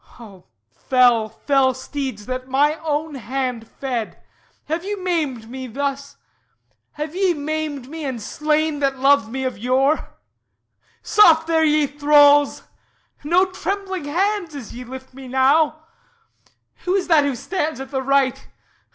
O fell, fell steeds that my own hand fed, Have ye maimed me and slain, that loved me of yore? Soft there, ye thralls! No trembling hands As ye lift me, now! Who is that that stands At the right?